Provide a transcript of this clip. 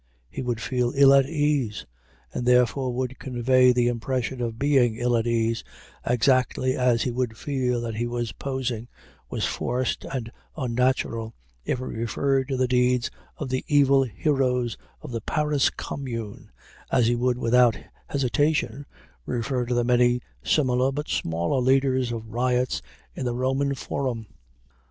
He would feel ill at ease, and therefore would convey the impression of being ill at ease, exactly as he would feel that he was posing, was forced and unnatural, if he referred to the deeds of the evil heroes of the Paris Commune as he would without hesitation refer to the many similar but smaller leaders of riots in the Roman forum.